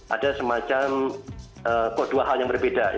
ada semacam kok dua hal yang berbeda